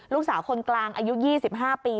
ลูกสาวคนกลางอายุ๒๕ปี